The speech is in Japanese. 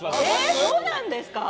そうなんですか？